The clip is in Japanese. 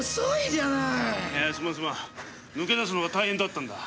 すまん抜け出すのが大変だったのだ。